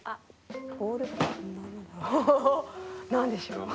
お何でしょう？